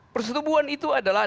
persetubuhan itu adalah